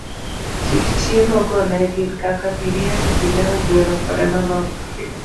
Kit chiemo go ne gin kaka biriani, pilau, gweno koda mamoko.